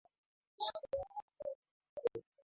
Idhaa ya Kiswahili yaadhimisha miaka sitini ya Matangazo